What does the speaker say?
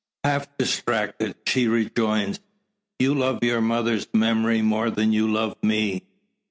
Half distracted, she rejoins: "You love your mother's memory more than you love me!"